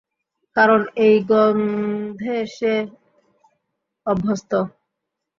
কারণ এই গন্ধে সে অভ্যস্ত।